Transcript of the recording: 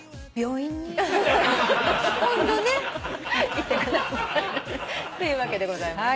行ってくださいというわけでございました。